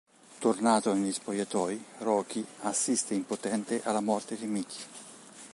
Tornato negli spogliatoi, Rocky assiste impotente alla morte di Mickey.